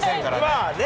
まあね。